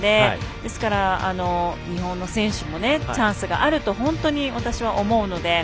ですから日本の選手もチャンスがあると本当に私は思うので。